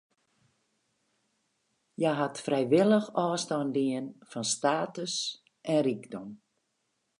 Hja hat frijwillich ôfstân dien fan status en rykdom.